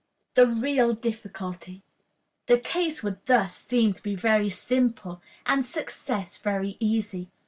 The real Difficulty. The case would thus seem to be very simple, and success very easy.